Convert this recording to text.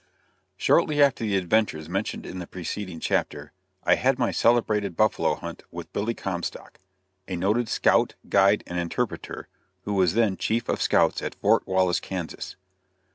Shortly after the adventures mentioned in the preceding chapter, I had my celebrated buffalo hunt with Billy Comstock, a noted scout, guide and interpreter, who was then chief of scouts at Fort Wallace, Kansas.